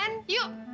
beri m laided itu lagi